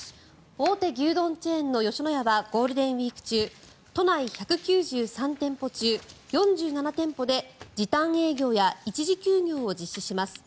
大手牛丼チェーンの吉野家はゴールデンウィーク中都内１９３店舗中４７店舗で時短営業や一時休業を実施します。